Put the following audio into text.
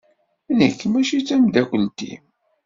Nekk mačči d tameddakelt-im.